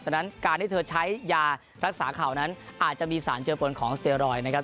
ดังนั้นการที่เธอใช้ยารักษาเข่านั้นอาจจะมีสารเจอปนของสเตียรอยด์นะครับ